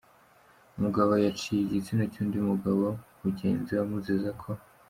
Umugabo yaciye igitsina cy’undi mugabo mu genzi we amuziza ko.